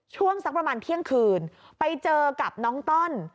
ช่วงสักประมาณเที่ยงคืนไปเจอกับน้องต้อน